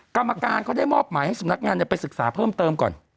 กรรมการเขาได้มอบหมายให้สำนักงานไปศึกษาเพิ่มเติมก่อน